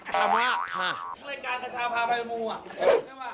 ในรายการขชาพาบาลบูอ่ะ